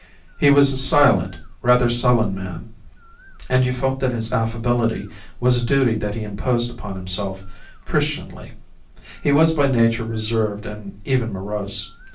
He was a silent, rather sullen man, and you felt that his affability was a duty that he imposed upon himself Christianly; he was by nature reserved and even morose.